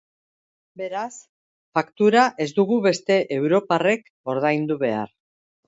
Beraz, faktura ez dugu beste europarrek ordaindu behar.